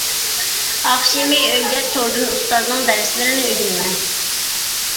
ئاخشىمى ئۆيدە توردىن ئۇستازنىڭ دەرسلىرىنى ئۆگىنىمەن.